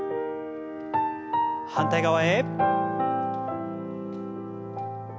反対側へ。